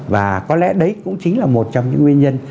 và có lẽ đấy cũng chính là một trong những nguyên nhân